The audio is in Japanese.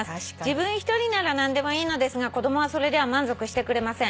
「自分一人なら何でもいいのですが子供はそれでは満足してくれません」